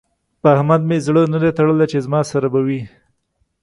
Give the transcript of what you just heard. په احمد مې زړه نه دی تړلی چې زما سره به وي.